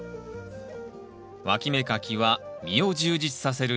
わき芽かきは実を充実させる大事な作業。